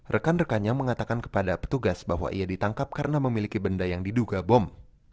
rekan rekannya mengatakan kepada petugas bahwa ia ditangkap karena memiliki benda yang diduga bom